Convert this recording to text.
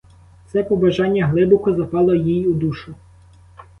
Це побажання глибоко запало їй у душу.